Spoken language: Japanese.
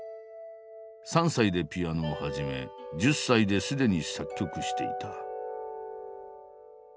３歳でピアノを始め１０歳で既に作曲していた。